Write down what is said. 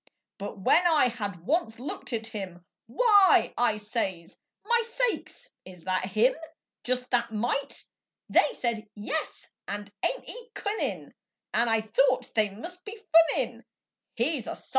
But when I had once looked at him, "Why!" I says, "My sakes, is that him? Just that mite!" They said, "Yes," and, "Ain't he cunnin'?" And I thought they must be funnin', He's a _sight!